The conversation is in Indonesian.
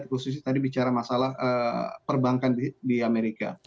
khususnya tadi bicara masalah perbankan di amerika